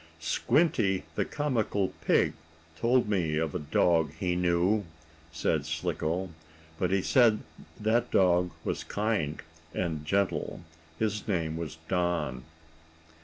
"Squinty, the comical pig, told me of a dog he knew," said Slicko, "but he said that dog was kind and gentle. His name is Don."